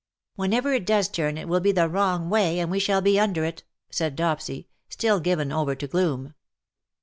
'^" Whenever it does turn it will be the wrong way, and we shall be under it/' said Dopsy^ still given over to gloom.